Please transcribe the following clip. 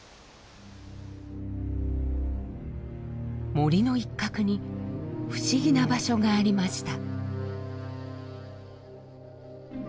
森の一角に不思議な場所がありました。